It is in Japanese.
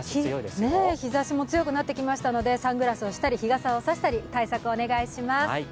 日ざしも強くなってきましたのでサングラスをしたり日傘を差したり、対策をお願いします。